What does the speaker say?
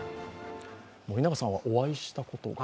森永さんはお会いしたことが？